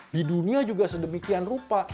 di dunia juga sedemikian rupa